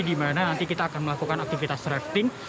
di mana nanti kita akan melakukan aktivitas rafting